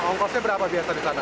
ongkosnya berapa biasa di sana